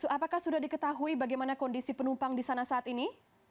apakah sudah diketahui bagaimana kondisi penumpang di sana saat ini